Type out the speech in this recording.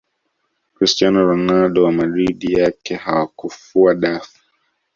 cristiano ronaldo wa madrid yake hawakufua dafu